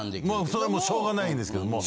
それはもうしょうがないですけども。